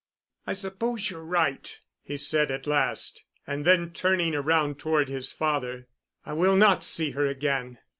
"I suppose you're right," he said at last. And then, turning around toward his father, "I will not see her again.